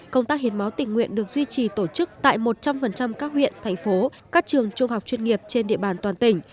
công tác hiến máu tình nguyện được duy trì tổ chức tại một trăm linh các huyện thành phố các trường trung học chuyên nghiệp trên địa bàn toàn tỉnh